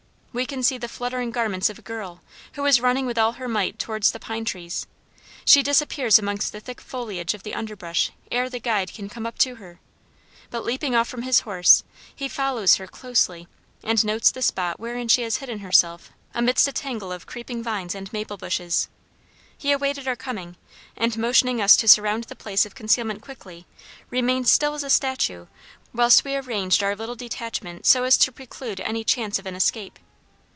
We can see the fluttering garments of a girl, who is running with all her might towards the pine trees; she disappears amongst the thick foliage of the underbrush ere the guide can come up to her, but leaping from off his horse, he follows her closely, and notes the spot wherein she has hidden herself amidst a tangle of creeping vines and maple bushes. He awaited our coming, and, motioning us to surround the place of concealment quickly, remained still as a statue whilst we arranged our little detachment so as to preclude any chance of an escape.